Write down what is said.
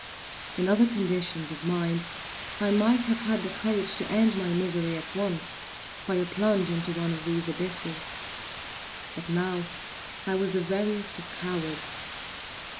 In other conditions of mind I might have had courage to end my misery at once by a plunge into one of these abysses; but now I was the veriest of cowards.